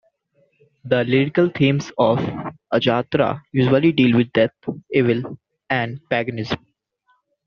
The lyrical themes of "Ajattara" usually deal with death, evil and paganism.